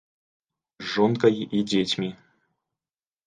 З жонкай і дзецьмі.